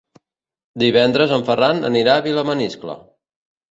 Divendres en Ferran anirà a Vilamaniscle.